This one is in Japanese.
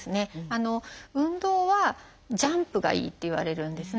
運動はジャンプがいいっていわれるんですね。